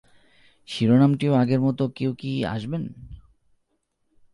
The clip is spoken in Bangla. শিরোনামটিও আগের মতো-কেউ কি আসবেন?